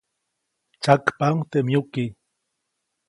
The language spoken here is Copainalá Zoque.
Tsyakpaʼuŋ teʼ myuki.